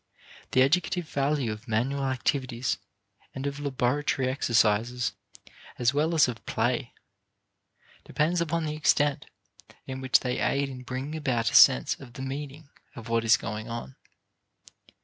The educative value of manual activities and of laboratory exercises, as well as of play, depends upon the extent in which they aid in bringing about a sensing of the meaning of what is going on.